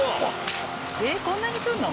えっこんなにするの？